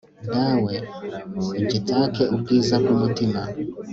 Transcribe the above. dawe, ugitake ubwiza bw'umutima